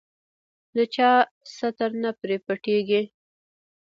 د چا ستر نه پرې پټېږي.